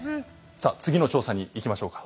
さあ次の調査にいきましょうか。